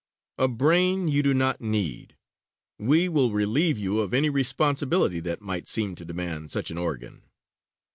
A brain you do not need. We will relieve you of any responsibility that might seem to demand such an organ."